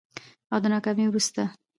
او د ناکامي وروسته